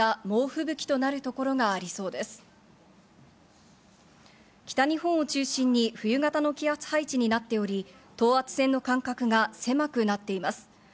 北日本を中心に冬型の気圧配置になっており、等圧線の間隔が狭くなっています。